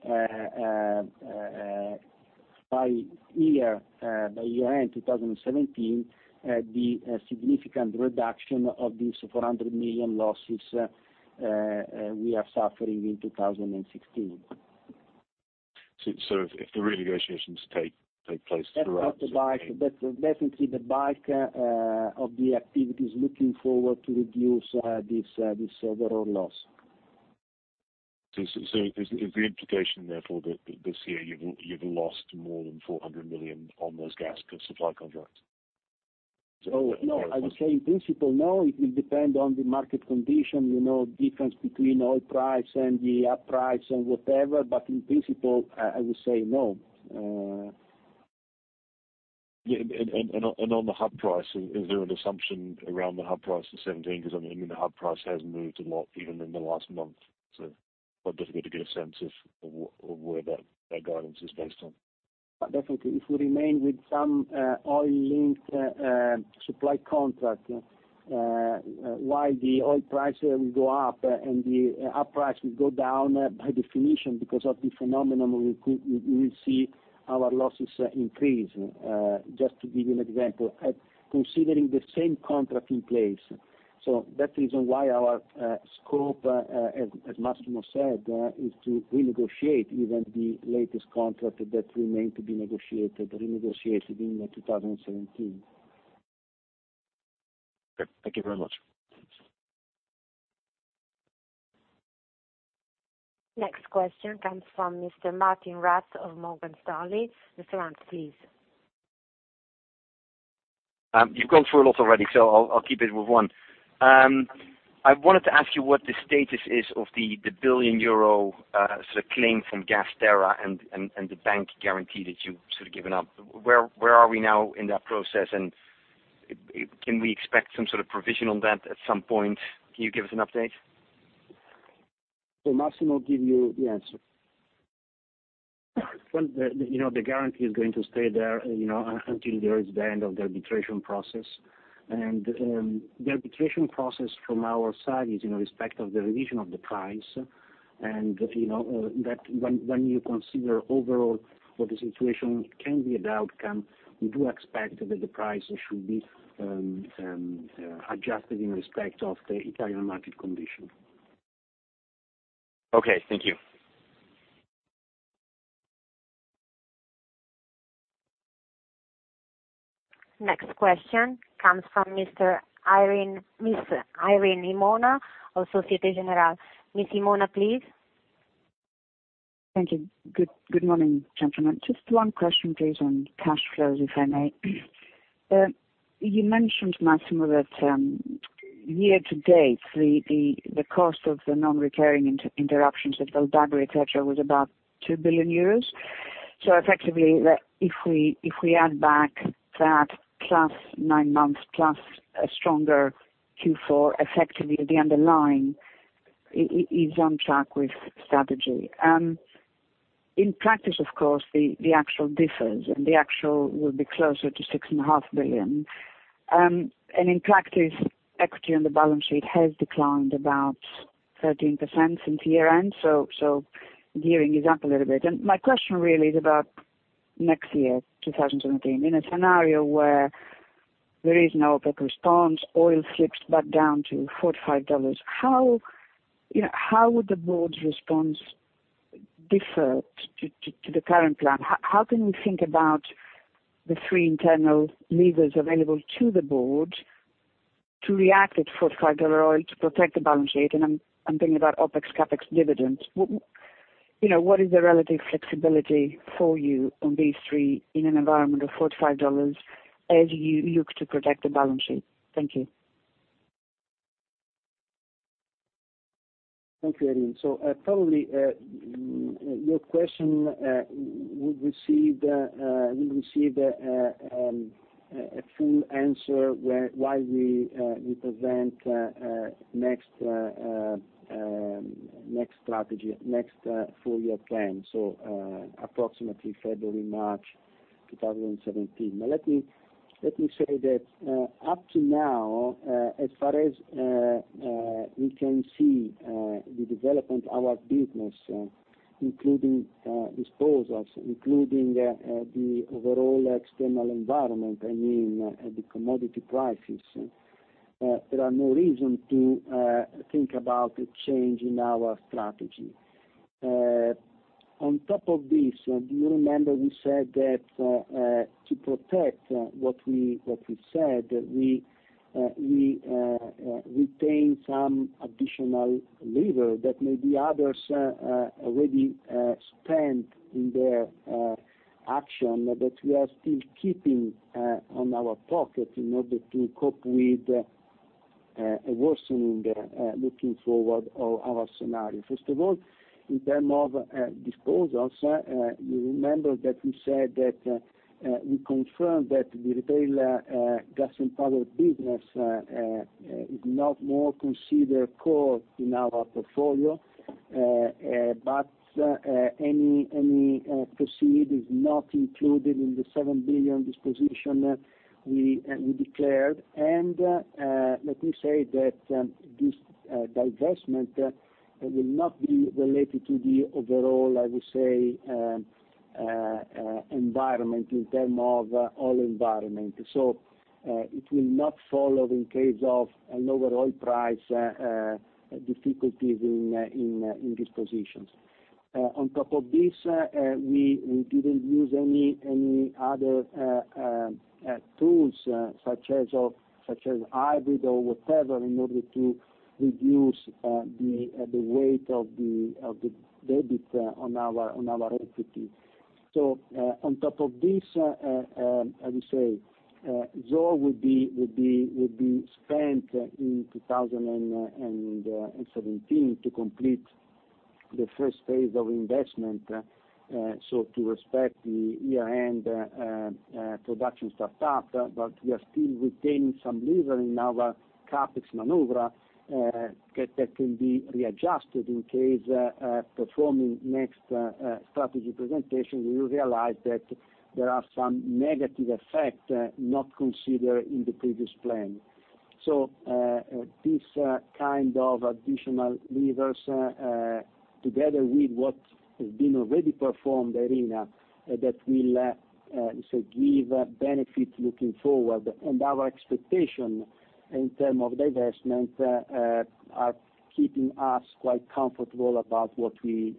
by year end 2017, the significant reduction of this 400 million losses we are suffering in 2016. If the renegotiations take place. That's definitely the bulk of the activities looking forward to reduce this overall loss. Is the implication, therefore, that this year you've lost more than 400 million on those gas supply contracts? No, I would say in principle, no. It will depend on the market condition, difference between oil price and the hub price, and whatever. In principle, I would say no. On the hub price, is there an assumption around the hub price in 2017? The hub price has moved a lot even in the last month, quite difficult to get a sense of where that guidance is based on. Definitely. If we remain with some oil-linked supply contract, while the oil price will go up and the hub price will go down, by definition, because of the phenomenon, we will see our losses increase. Just to give you an example, considering the same contract in place. That is why our scope, as Massimo said, is to renegotiate even the latest contract that remains to be negotiated, renegotiated in 2017. Okay. Thank you very much. Next question comes from Mr. Martijn Rats of Morgan Stanley. Mr. Rats, please. You've gone through a lot already, I'll keep it with one. I wanted to ask you what the status is of the 1 billion euro claim from Gazprom, and the bank guarantee that you've given up. Where are we now in that process, and can we expect some sort of provision on that at some point? Can you give us an update? Massimo will give you the answer. The guarantee is going to stay there until there is the end of the arbitration process. The arbitration process from our side is in respect of the revision of the price. When you consider overall what the situation can be at the outcome, we do expect that the price should be adjusted in respect of the Italian market condition. Okay. Thank you. Next question comes from Ms. Irene Himona of Societe Generale. Ms. Himona, please. Thank you. Good morning, gentlemen. Just one question, please, on cash flows, if I may. You mentioned, Massimo, that year to date, the cost of the non-recurring interruptions of Val d'Agri, et cetera, was about 2 billion euros. Effectively, if we add back that, plus nine months, plus a stronger Q4, effectively the underlying is on track with strategy. In practice, of course, the actual differs, and the actual will be closer to 6.5 billion. In practice, equity on the balance sheet has declined about 13% since year-end, so gearing is up a little bit. My question really is about next year, 2017. In a scenario where there is no OPEC response, oil slips back down to 45 dollars, how would the board's response differ to the current plan? How can we think about the three internal levers available to the board to react at USD 45 oil to protect the balance sheet? I'm thinking about OpEx, CapEx, dividends. What is the relative flexibility for you on these three in an environment of 45 dollars as you look to protect the balance sheet? Thank you. Thank you, Irene. Probably, your question will receive a full answer while we present next strategy, next four-year plan, approximately February, March 2017. Let me say that up to now, as far as we can see the development of our business, including disposals, including the overall external environment, I mean, the commodity prices, there are no reason to think about a change in our strategy. On top of this, do you remember we said that to protect what we said, we retain some additional lever that maybe others already spent in their action, but we are still keeping in our pocket in order to cope with a worsening, looking forward, of our scenario. First of all, in term of disposals, you remember that we said that we confirmed that the retail Gas & Power business is not more considered core in our portfolio, but any proceed is not included in the 7 billion disposition we declared. Let me say that this divestment will not be related to the overall, I would say, environment in term of oil environment. It will not follow in case of an overall price difficulties in dispositions. On top of this, we didn't use any other tools such as hybrid or whatever in order to reduce the weight of the debt on our equity. On top of this, I would say, Zohr would be spent in 2017 to complete the first phase of investment, so to respect the year-end production start-up, but we are still retaining some lever in our CapEx maneuver that can be readjusted in case, performing next strategy presentation, we will realize that there are some negative effect not considered in the previous plan. This kind of additional levers, together with what has been already performed, Irene, that will give benefit looking forward, and our expectation in term of divestment, are keeping us quite comfortable about what we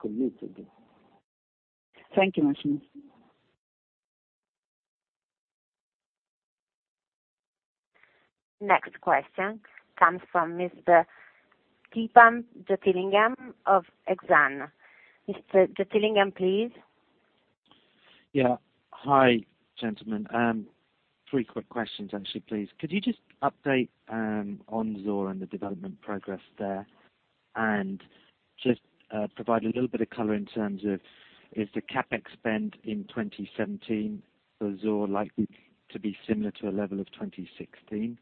committed. Thank you, Massimo. Next question comes from Mr. Theepan JothilingamJeyasingam of Exane. Mr. Jeyasingam, please. Yeah. Hi, gentlemen. Three quick questions, actually, please. Could you just update on Zohr and the development progress there, and just provide a little bit of color in terms of, is the CapEx spend in 2017 for Zohr likely to be similar to a level of 2016?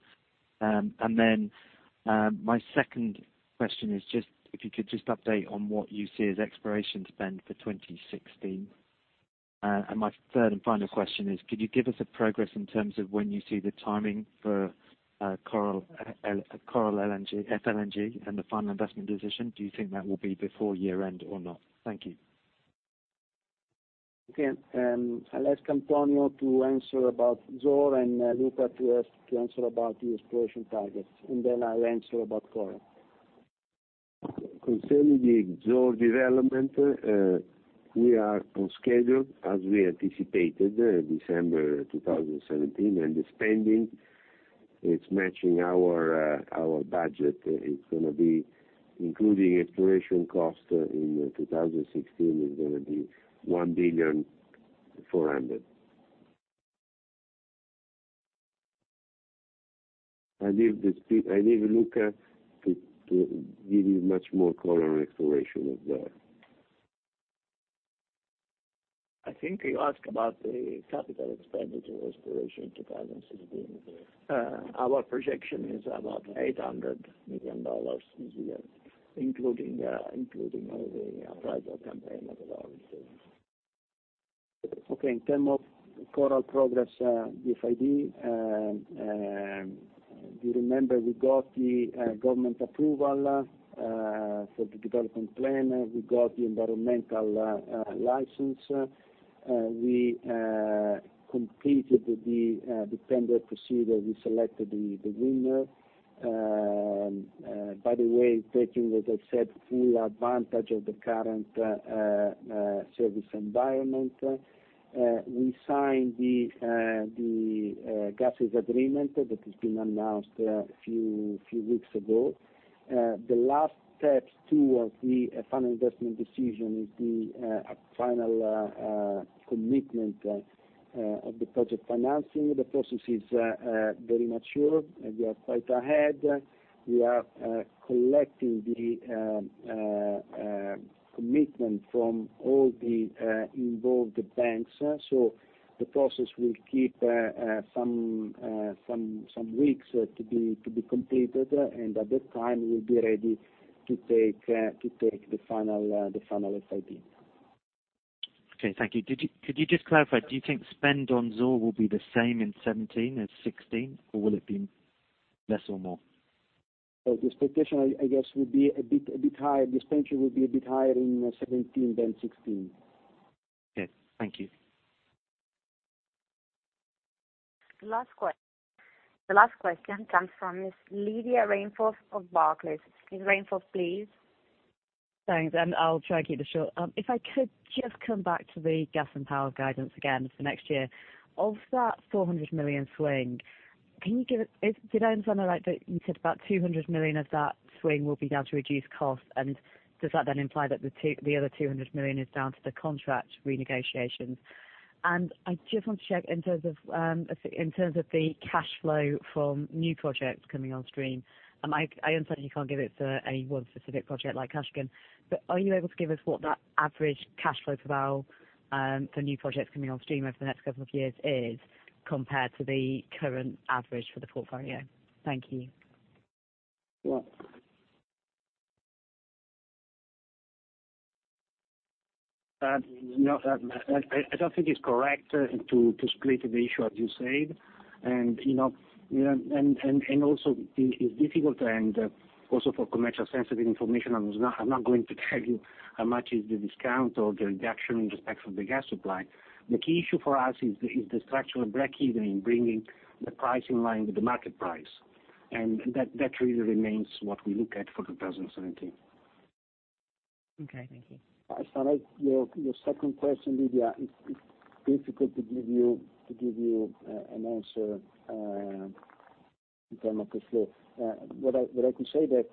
My second question is just if you could just update on what you see as exploration spend for 2016. My third and final question is, could you give us a progress in terms of when you see the timing for Coral FLNG and the final investment decision? Do you think that will be before year-end or not? Thank you. Okay. I'll ask Antonio to answer about Zohr, and Luca to answer about the exploration targets. I'll answer about Coral. Concerning the Zohr development, we are on schedule as we anticipated, December 2017. The spending, it's matching our budget. It's going to be, including exploration cost in 2016, is going to be 1 billion 400. I leave Luca to give you much more color on exploration of that. I think you ask about the CapEx exploration 2016. Our projection is about EUR 800 million this year, including all the appraisal campaign that we are receiving. Okay, in terms of Coral progress, FID, do you remember we got the government approval for the development plan? We got the environmental license. We completed the tender procedure. We selected the winner. By the way, taking, as I said, full advantage of the current service environment. We signed the gas sales agreement that has been announced a few weeks ago. The last steps towards the final investment decision is the final commitment of the project financing. The process is very mature. We are quite ahead. We are collecting the commitment from all the involved banks. The process will keep some weeks to be completed, and at that time, we'll be ready to take the final FID. Okay, thank you. Could you just clarify, do you think spend on Zohr will be the same in 2017 as 2016, or will it be less or more? The expectation, I guess, will be a bit higher. Expenditure will be a bit higher in 2017 than 2016. Okay. Thank you. The last question comes from Miss Lydia Rainforth of Barclays. Miss Rainforth, please. Thanks, I'll try and keep this short. If I could just come back to the Gas & Power guidance again for next year. Of that 400 million swing, did I understand it right that you said about 200 million of that swing will be down to reduced costs? Does that imply that the other 200 million is down to the contract renegotiations? I just want to check in terms of the cash flow from new projects coming on stream. I understand you can't give it for any one specific project like Kashagan, but are you able to give us what that average cash flow per barrel for new projects coming on stream over the next couple of years is, compared to the current average for the portfolio? Thank you. I don't think it's correct to split the issue, as you said, also it's difficult, and also for commercial sensitive information, I'm not going to tell you how much is the discount or the reduction in respect of the gas supply. The key issue for us is the structural breakeven in bringing the price in line with the market price, and that really remains what we look at for 2017. Okay, thank you. As for your second question, Lydia, it's difficult to give you an answer in term of cash flow. What I can say that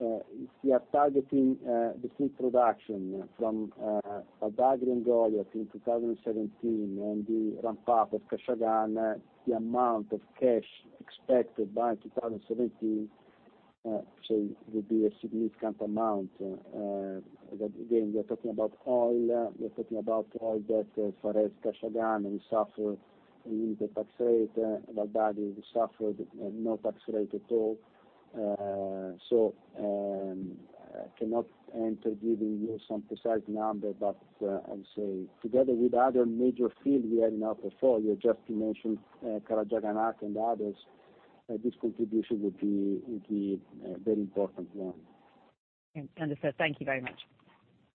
we are targeting the full production from Val d'Agri and Goliat in 2017, and the ramp up of Kashagan, the amount of cash expected by 2017, say, will be a significant amount. Again, we are talking about oil. We are talking about oil that, as far as Kashagan, we suffer in the tax rate. Val d'Agri, we suffered no tax rate at all. I cannot enter giving you some precise number, but I would say together with the other major field we have in our portfolio, just to mention Karachaganak and others, this contribution will be a very important one. Understood. Thank you very much.